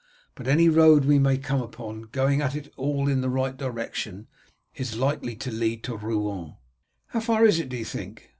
But any road we may come upon going at all in the right direction is likely to lead to Rouen." "How far is it, do you think?"